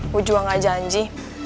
gue juang aja anji